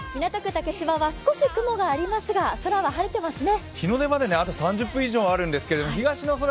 竹芝は少し雲がありますが、空は晴れていますね。